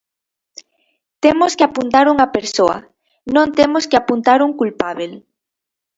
Temos que apuntar unha persoa, non temos que apuntar un culpábel.